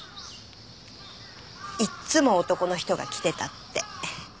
いっつも男の人が来てたって。